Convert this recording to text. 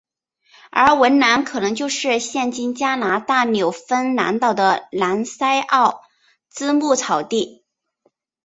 而文兰可能就是现今加拿大纽芬兰岛的兰塞奥兹牧草地。